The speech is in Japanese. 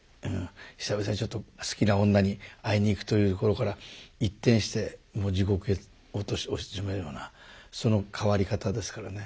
久々にちょっと好きな女に会いに行くというところから一転してもう地獄へ落ちてしまうようなその変わり方ですからね。